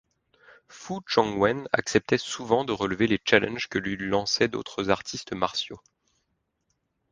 Fu Zhongwen acceptait souvent de relever les challenges que lui lançaient d'autres artistes martiaux.